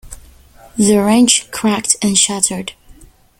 The wrench cracked and shattered.